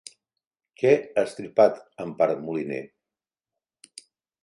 Què ha estripat Empar Moliner?